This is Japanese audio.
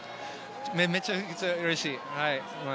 めちゃくちゃうれしい。